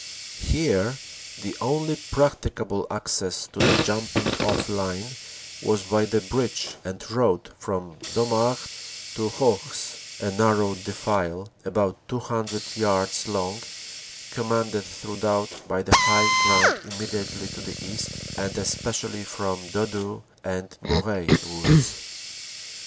Here the only practicable access to the jumping off line was by the bridge and road from Domart to Hourges, a narrow defile about 200 yards long commanded throughout by the high ground immediately to the east and especially from Dodo and Moreuil woods.